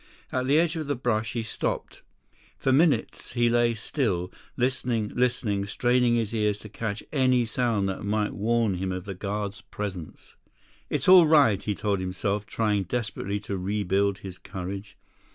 At the edge of the brush, he stopped. For minutes he lay still, listening, listening, straining his ears to catch any sound that might warn him of the guards' presence. 91 "It's all right," he told himself, trying desperately to rebuild his courage.